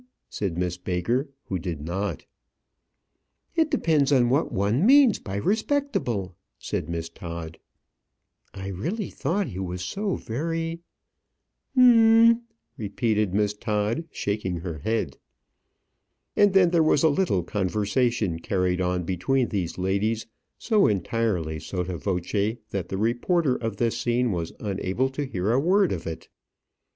said Miss Baker, who did not. "It depends on what one means by respectable," said Miss Todd. "I really thought he was so very " "Hum m m m," repeated Miss Todd, shaking her head. And then there was a little conversation carried on between these ladies so entirely sotto voce that the reporter of this scene was unable to hear a word of it.